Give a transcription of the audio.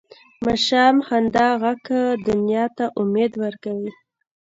د ماشوم خندا ږغ دنیا ته امید ورکوي.